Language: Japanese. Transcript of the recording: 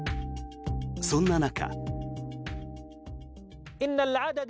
そんな中。